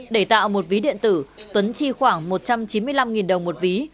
để tạo một ví điện tử tuấn chi khoảng một trăm chín mươi năm đồng một ví